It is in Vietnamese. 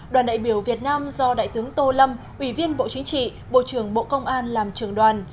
đoàn đại biểu việt nam do đại tướng tô lâm ủy viên bộ chính trị bộ trưởng bộ công an làm trưởng đoàn